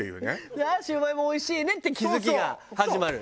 で「シュウマイもおいしいね」って気付きが始まるよね。